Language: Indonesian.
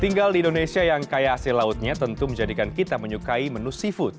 tinggal di indonesia yang kaya hasil lautnya tentu menjadikan kita menyukai menu seafood